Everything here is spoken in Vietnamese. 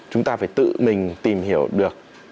chúng ta phải tự mình tìm hiểu được